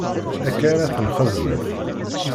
Akka ara t-nxedmet.